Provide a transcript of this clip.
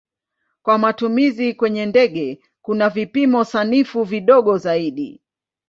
Kwa matumizi kwenye ndege kuna vipimo sanifu vidogo zaidi.